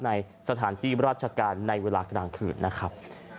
ในสถานที่ราชการในเวลากลางคืนนะครับ